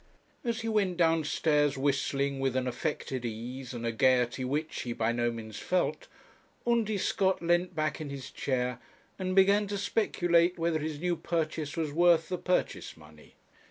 As he went downstairs whistling with an affected ease, and a gaiety which, he by no means felt, Undy Scott leant back in his chair, and began to speculate whether his new purchase was worth the purchase money.